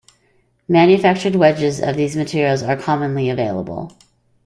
Manufactured wedges of these materials are commonly available.